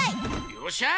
よっしゃ！